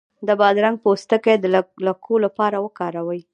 د بادرنګ پوستکی د لکو لپاره وکاروئ